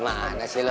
gimana sih lu